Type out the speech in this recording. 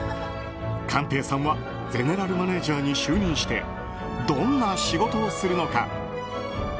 寛平さんはゼネラルマネージャーに就任してどんな仕事をするのか。